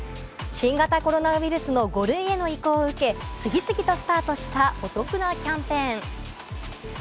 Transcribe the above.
新型コロナウイルスの５類への移行を受け、次々とスタートしたお得なキャンペーン。